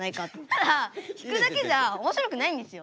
ただ弾くだけじゃおもしろくないんですよ。